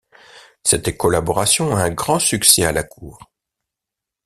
Cette collaboration a un grand succès à la cour.